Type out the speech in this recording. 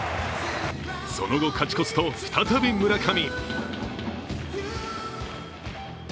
その後勝ち越すと、再び村上。